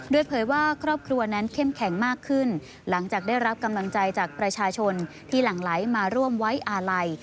โดยเผยว่าครอบครัวนั้นเข้มแข็งมากขึ้นหลังจากได้รับกำลังใจจากประชาชนที่หลั่งไหลมาร่วมไว้อาลัย